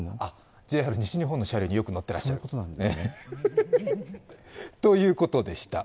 ＪＲ西日本の車両によく乗っていらっしゃる、ということでした。